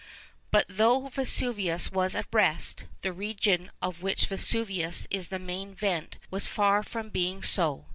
But though Vesuvius was at rest, the region of which Vesuvius is the main vent was far from being so.